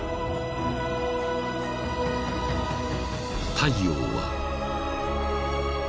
［太陽は］